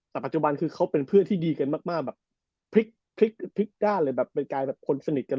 แต่ปัจจุบันเขาเป็นเพื่อนที่ดีกันมากเป็นกายพ้นสนิทกัน